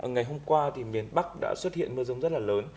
ngày hôm qua thì miền bắc đã xuất hiện mưa rông rất là lớn